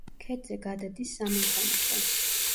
ქედზე გადადის სამანქანო გზა.